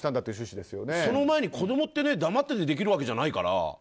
その前に子供って黙っててできるわけじゃないから。